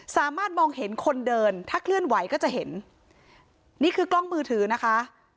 สามารถมองเห็นคนเดินถ้าเคลื่อนไหวก็จะเห็นนี่คือกล้องมือถือนะคะ